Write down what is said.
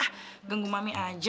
ah ganggu mami aja